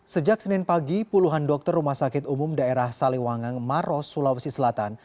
sejak senin pagi puluhan dokter rumah sakit umum daerah saliwangang maros sulawesi selatan